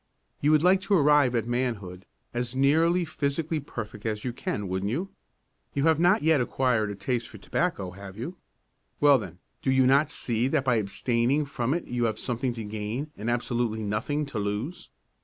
You would like to arrive at manhood, as nearly physically perfect as you can, wouldn't you? You have not as yet acquired a taste for tobacco, have you? Well, then, do you not see that by abstaining from it you have something to gain and absolutely nothing to lose?